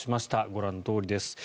ご覧のとおりです。